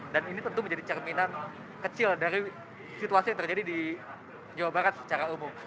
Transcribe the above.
ini tentu menjadi cerminan kecil dari situasi yang terjadi di jawa barat secara umum